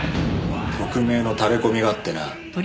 匿名のタレコミがあってな。